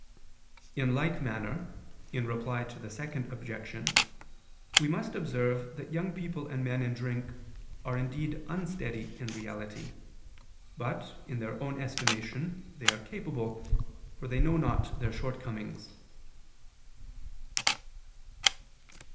In like manner, in reply to the Second Objection, we must observe that young people and men in drink are indeed unsteady in reality: but, in their own estimation, they are capable, for they know not their shortcomings.